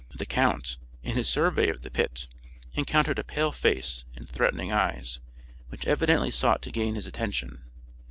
The count, in his survey of the pit, encountered a pale face and threatening eyes, which evidently sought to gain his attention.